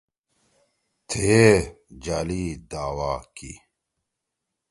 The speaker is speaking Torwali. تھیئے جعلی دعوی